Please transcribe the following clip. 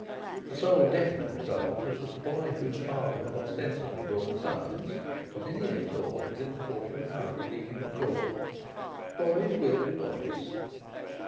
The sole definite result was that the boy whose father had ostensibly brought the summons, got his ear torn within a quarter of an hour of leaving the court. Boys will be boys.